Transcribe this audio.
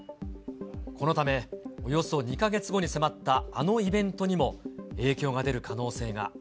このため、およそ２か月後に迫ったあのイベントにも影響が出る可能性が。